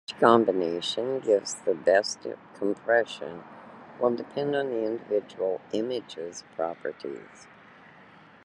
Which combination gives the best compression will depend on the individual image's properties.